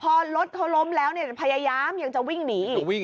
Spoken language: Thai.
พอรถเขาล้มแล้วพยายามยังจะวิ่งหนีอีก